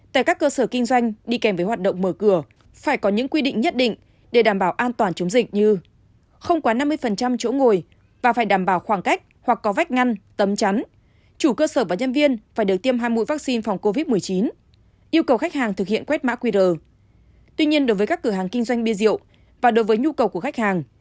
tuy nhiên đối với các cửa hàng kinh doanh bia rượu và đối với nhu cầu của khách hàng